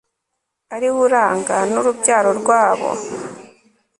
ari wo uranga n'urubyaro rwabo